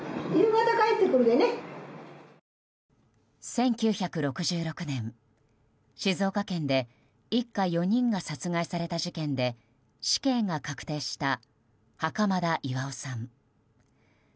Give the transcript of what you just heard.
１９６６年、静岡県で一家４人が殺害された事件で死刑が確定した袴田巌さん。